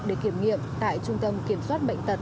để kiểm nghiệm tại trung tâm kiểm soát bệnh tật